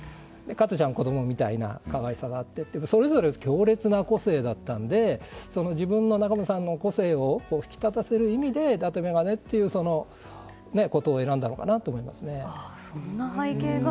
カトちゃんは子供みたいな可愛さがあってそれぞれ強烈な個性だったので自分、仲本さんの個性を引き立たせる意味で伊達眼鏡を選んだのかなと思いますね。